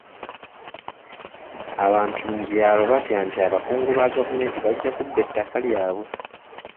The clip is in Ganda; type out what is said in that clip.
Abantu mu byalo batya nti abakungu ba gavumenti bajja kubba ettaka lyabwe.